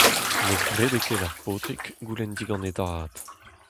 Ne grede ket ar paotrig goulenn digant e dad.